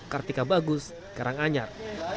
kartika bagus karanganyar